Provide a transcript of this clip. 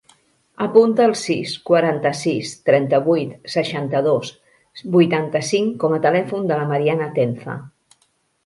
Apunta el sis, quaranta-sis, trenta-vuit, seixanta-dos, vuitanta-cinc com a telèfon de la Mariana Tenza.